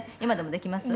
できますよ。